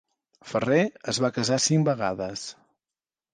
Ferrer es va casar cinc vegades.